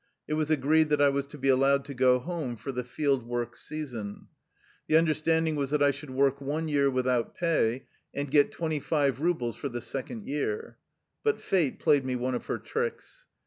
It was agreed that I was to be allowed to go home for the field work season. The understanding was that I should work one year without pay, and get twenty five rubles for the second year. But fate played me one of her tricks.